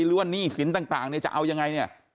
หรือว่าหนี้สินต่างจะเอายังไง